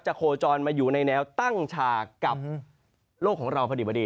โคจรมาอยู่ในแนวตั้งฉากกับโลกของเราพอดี